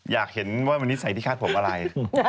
อยากเห็นว่ามันนิสัยที่คาดผมอะไร